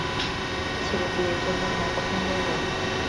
ছেলে বিয়ের জন্য হ্যাঁঁ কখন বলবে!